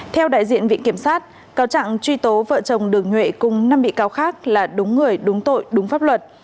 theo đại diện vị kiểm sát cáo trạng truy tố vợ chồng đường nhuệ cùng năm bị cáo khác là đúng người đúng tội đúng pháp luật